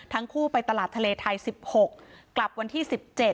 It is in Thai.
ทั้งคู่ไปตลาดทะเลไทย๑๖กลับวันที่๑๗